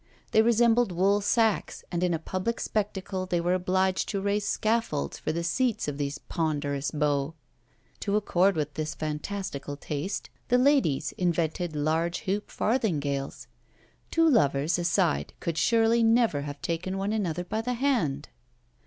They resembled woolsacks, and in a public spectacle they were obliged to raise scaffolds for the seats of these ponderous beaux. To accord with this fantastical taste, the ladies invented large hoop farthingales; two lovers aside could surely never have taken one another by the hand.